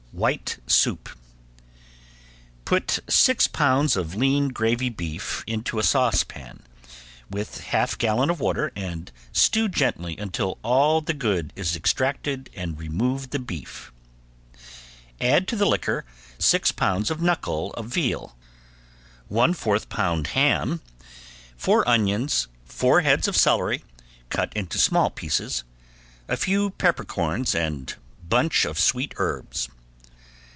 ~WHITE SOUP~ Put six pounds of lean gravy beef into a saucepan, with half gallon of water and stew gently until all the good is extracted and remove beef. Add to the liquor six pounds of knuckle of veal, one fourth pound ham, four onions, four heads of celery, cut into small pieces, a few peppercorns and bunch of sweet herbs.